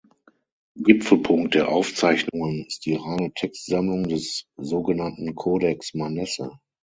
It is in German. Gipfelpunkt der Aufzeichnungen ist die reine Text-Sammlung des sogenannten "Codex Manesse".